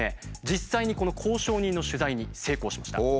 実際にこの交渉人の取材に成功しました。